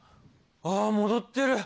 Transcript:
ああ、戻ってる。